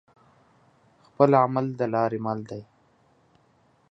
خپل عمل دلاری مل دی